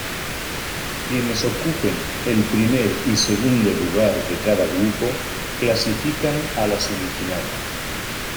Quienes ocupen el primer y segundo lugar de cada grupo clasifican a la semifinal.